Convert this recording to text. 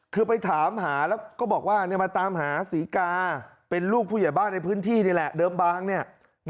คือไปถามหาแล้วก็บอกว่ามาตามหาศรีกาเป็นลูกผู้ใหญ่บ้านในพื้นที่นี่แหละเดิมบางเนี่ย